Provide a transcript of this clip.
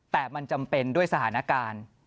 แต่มันจำเป็นด้วยสถานการณ์